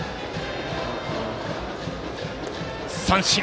三振。